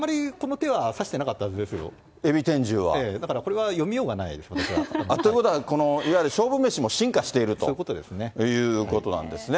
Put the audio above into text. だからこれは読みようがないです、私は。ということは、いわゆる勝負メシも進化していると。ということなんですね。